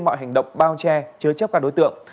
mọi hành động bao che chứa chấp các đối tượng